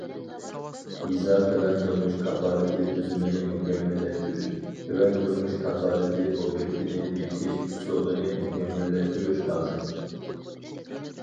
يېزا تۆۋەن تۇرمۇش كاپالىتى تۈزۈمىنى مۇكەممەللەشتۈرۈش، تۆۋەن تۇرمۇش كاپالىتى ئوبيېكتىنى بېكىتىش ئۇسۇلىنى مۇكەممەللەشتۈرۈش لازىم.